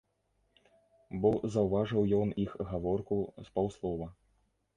Бо заўважыў ён іх гаворку з паўслова.